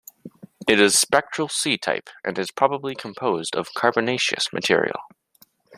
It is spectral C-type and is probably composed of carbonaceous material.